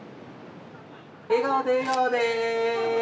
笑顔で笑顔で。